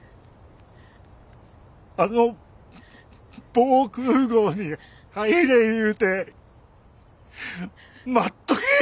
あの防空壕に入れ言うて待っとけえ